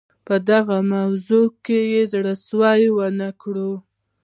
په دغه موضوع کې زړه سوی ونه کړو.